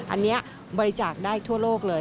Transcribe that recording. อันนี้บริจาคได้ทั่วโลกเลย